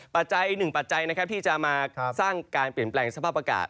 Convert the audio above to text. อีกหนึ่งปัจจัยนะครับที่จะมาสร้างการเปลี่ยนแปลงสภาพอากาศ